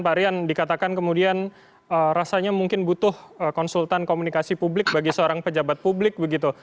pak rian dikatakan kemudian rasanya mungkin butuh konsultan komunikasi publik bagi seorang pejabat publik begitu